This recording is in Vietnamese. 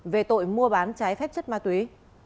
về tội mua bán trái phép chất ma túy